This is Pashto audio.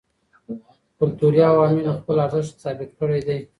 کلتوري عواملو خپل ارزښت ثابت کړی دی.